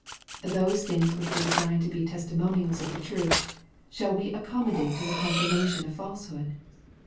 Those things which were designed to be testimonials of the truth, shall we accommodate to the confirmation of falsehood?